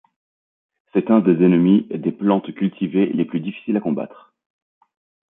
C'est un des ennemis des plantes cultivées les plus difficiles à combattre.